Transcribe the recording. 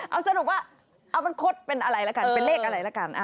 เอาสรุปว่าเอามันคดเป็นอะไรละกันเป็นเลขอะไรละกัน